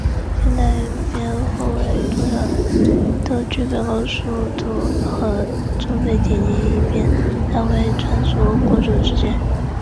现代的边后卫通常都具备高速度和充沛体力以便来回穿梭攻守之间。